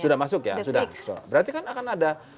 sudah masuk ya sudah berarti kan akan ada